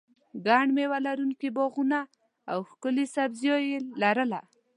ګڼ مېوه لرونکي باغونه او ښکلې سرسبزي یې لرله.